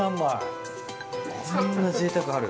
こんなぜいたくある？